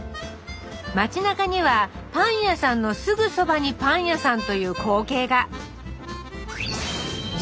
町なかにはパン屋さんのすぐそばにパン屋さんという光景が。